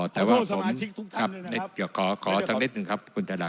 ผมขอขอซักนิดหนึ่งคุณจราครับ